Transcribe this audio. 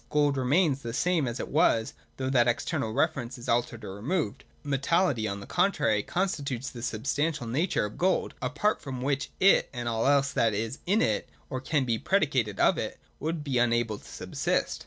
Gold remains the same as it was, though that external reference is altered or removed. Metal leity, on the contrary, constitutes the substantial nature of gold, apart from which it, and all else that is in it, or can be predicated of it, would be unable to subsist.